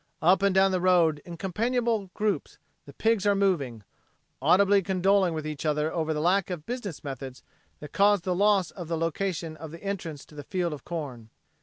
Up and down the road in companionable groups the pigs are moving, audibly condoling with each other over the lack of business methods that caused the loss of the location of the entrance to the field of corn.